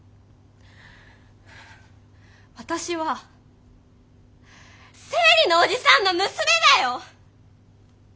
私は生理のおじさんの娘だよ！